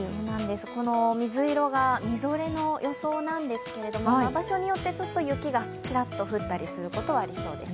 この水色がみぞれの予想なんですけれども場所によってちょっと雪がちらっと降ったりすることはありそうです。